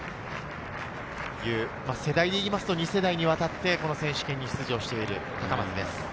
世代でいうと、２世代にわたってこの選手権に出場している高松です。